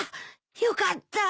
よかった。